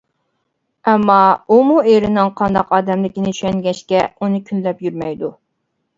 ئەمما ئۇمۇ ئېرىنىڭ قانداق ئادەملىكىنى چۈشەنگەچكە ئۇنى كۈنلەپ يۈرمەيدۇ.